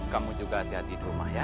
kamu juga hati hati di rumah ya